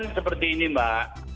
jadi kan seperti ini mbak